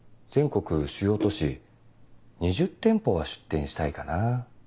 全国主要都市２０店舗は出店したいかなぁ。